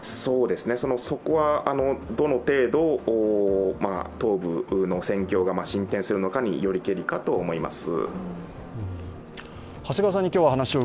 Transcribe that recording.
そこはどの程度、東部の戦況が進展するのかによりけりだと思います。